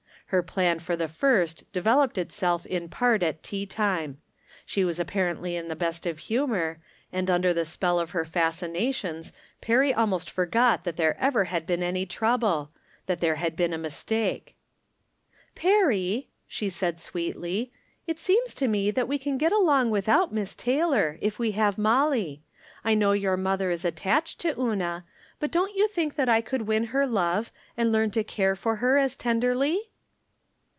Her plan for the first developed itself in part at tea time. She was apparently in the best of humor, and under the spell of her fas cinations Perry almost forgot that there had ever been any trouble — that there had been a mistake. "Perry," she said, sweetly, "it seems to me that we can get along without Miss Taylor, if we have Molly. I know your mother is attached to Una, but don't you think that I could win her love, and learn to care for her as ten derly?"